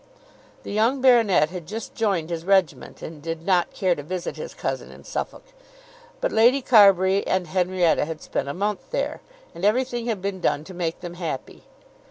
The young baronet had just joined his regiment and did not care to visit his cousin in Suffolk; but Lady Carbury and Henrietta had spent a month there, and everything had been done to make them happy.